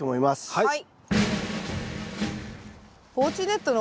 はい。